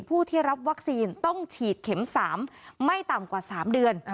ผู้ที่รับวัคซีนต้องฉีดเข็ม๓ไม่ต่ำกว่า๓เดือน